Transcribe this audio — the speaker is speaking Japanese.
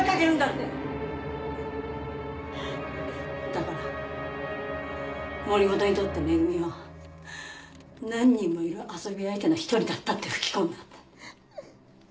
だから森本にとって恵は何人もいる遊び相手の一人だったって吹き込んだんだ。